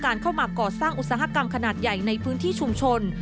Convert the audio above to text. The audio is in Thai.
เข้ามาก่อสร้างอุตสาหกรรมขนาดใหญ่ในพื้นที่ชุมชน